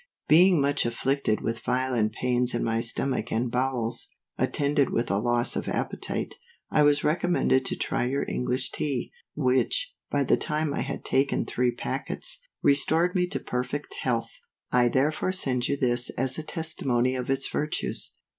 BEING much afflicted with violent pains in my stomach and bowels, attended with a loss of appetite, I was recommended to try your English Tea, which, by the time I had taken three packets, restored me to perfect health. I therefore send you this as a testimony of its virtues.